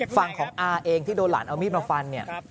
ฝั่งของอาเองที่โดนหลานเอามีดมาฟันเนี่ย